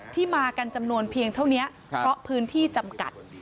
มากันจำนวนเพียงเท่านี้เพราะพื้นที่จำกัด